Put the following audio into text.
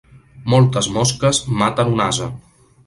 Moltes mosques maten un ase.